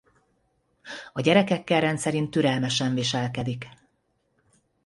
A gyerekekkel rendszerint türelmesen viselkedik.